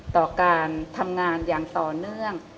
ต่อการทำงานอย่างต่อเนื่อง